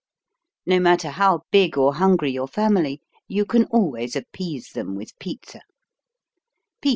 No matter how big or hungry your family, you can always appease them with pizza.